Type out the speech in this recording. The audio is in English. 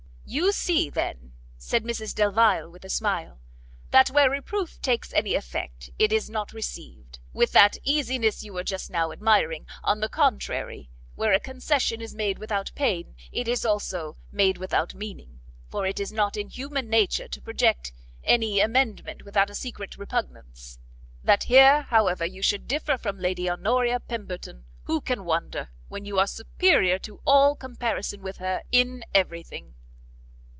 "You see, then," said Mrs Delvile with a smile, "that where reproof takes any effect, it is not received; with that easiness you were just now admiring; on the contrary, where a concession is made without pain, it is also made without meaning, for it is not in human nature to project any amendment without a secret repugnance. That here, however, you should differ from Lady Honoria Pemberton, who can wonder, when you are superior to all comparison with her in every thing?"